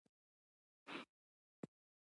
د تخار په نمک اب کې د مالګې لوی کان دی.